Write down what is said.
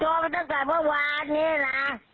มาตั้งแต่เมื่อวานนี้นะ